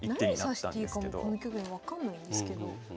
何指していいかこの局面分かんないんですけど。